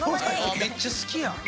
めっちゃ好きやん。